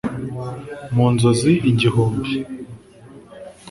mu nzozi igihumbi